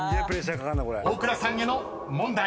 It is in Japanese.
［大倉さんへの問題］